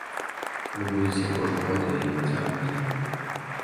Вы будзеце кожны год яе працягваць?